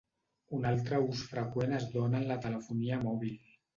Un altre ús freqüent es dóna en la telefonia mòbil.